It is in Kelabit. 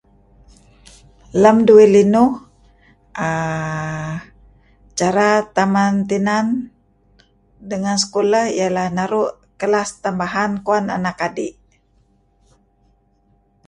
Lem duih linuh err cara taman tinan dengan sekulah iyeh ineh naru' kelas tambahan kuwan anak adi' .